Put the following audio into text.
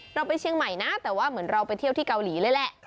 เราไปเชียงใหม่นะแต่ว่าเหมือนเราไปเที่ยวที่เกาหลีเลยแหละ